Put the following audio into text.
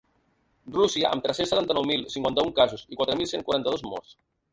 Rússia, amb tres-cents setanta-nou mil cinquanta-un casos i quatre mil cent quaranta-dos morts.